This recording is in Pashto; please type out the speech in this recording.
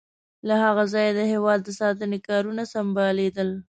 له هغه ځایه د هېواد د ساتنې کارونه سمبالیدل.